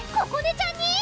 ここねちゃんに？